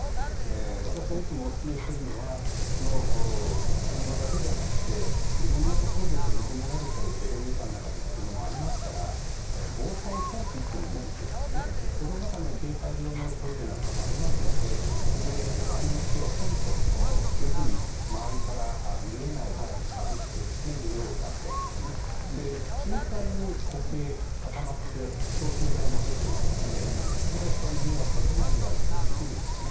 私はいつもおすすめしているのは車だけじゃなくて色んなところで閉じ込められたりエレベーターの中でということもありますから防災ポーチというのを持ってその中には携帯用のトイレなんかもありますのでそれで場合によっては、ポンチョ周りから見えないようにかぶって用を足すとか瞬間に固形、固まって消臭剤も入っていますのであんまりほかに迷惑をかけないでやることもできるんですね。